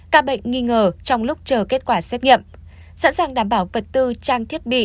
các bệnh nghi ngờ trong lúc chờ kết quả xét nghiệm sẵn sàng đảm bảo vật tư trang thiết bị